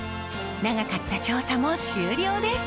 長かった調査も終了です。